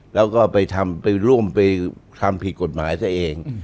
แล้วก็ไปทำไปร่วมไปทำผิดกฎหมายซะเอง